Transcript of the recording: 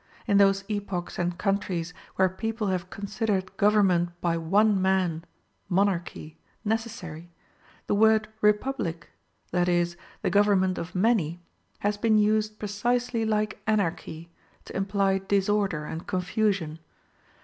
In those epochs and countries where people have considered government by one man (monarchy) necessary, the word republic (that is, the government of many) has been used precisely like Anarchy, to imply disorder and confusion.